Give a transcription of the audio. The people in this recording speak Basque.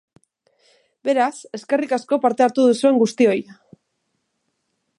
Beraz, eskerrik asko parte hartu duzuen guztioi!